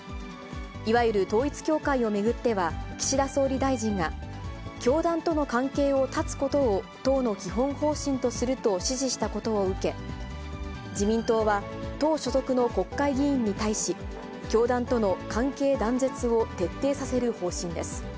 いわゆる統一教会を巡っては、岸田総理大臣が、教団との関係を絶つことを、党の基本方針とすると指示したことを受け、自民党は、党所属の国会議員に対し、教団との関係断絶を徹底させる方針です。